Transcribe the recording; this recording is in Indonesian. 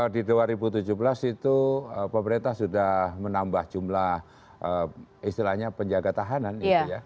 di dua ribu tujuh belas itu pemerintah sudah menambah jumlah istilahnya penjaga tahanan